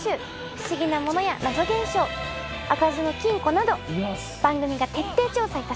不思議なものや謎現象開かずの金庫など番組が徹底調査いたします。